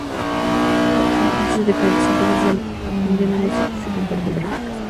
Representantes de diferentes empresas aprenden unos de otros y comparten prácticas.